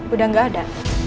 udah gak ada